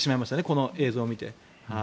この映像を見て。